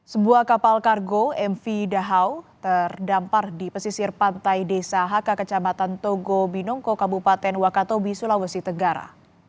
sebuah kapal kargo mv dahau terdampar di pesisir pantai desa haka kecamatan togo binongko kabupaten wakatobi sulawesi tenggara